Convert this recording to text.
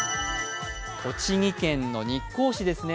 栃木県の日光市ですね。